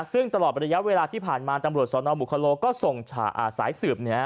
ซึ่งตลอดระยะเวลาที่ผ่านมาตำรวจสนบุคโลก็ส่งสายสืบ